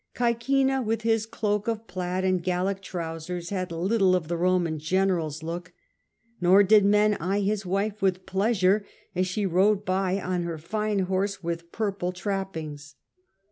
Caecina, with his cloak of plaid and Gallic trousers, had little of the Roman general's look, nor did men eye his wife with pleasure as she rode by on her fine horse with withVitel purple trappings.